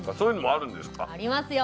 ありますよ。